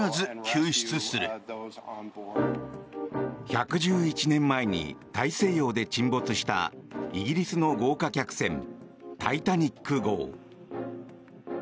１１１年前に大西洋で沈没したイギリスの豪華客船「タイタニック号」。